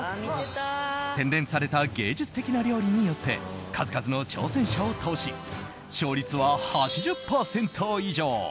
洗練された芸術的な料理によって数々の挑戦者を倒し勝率は８０％以上。